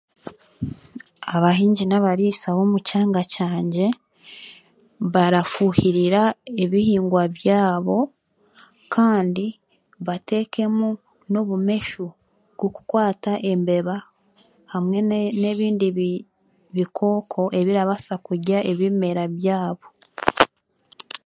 Abahingi n'abariisa b'omukyanga kyangye barafuhirira ebihingwa byaabo kandi batekemu n'obumeshu bw'okukwata embeba hamwe n'ebindi bikooko ebirabaasa kurya ebimera byaabo.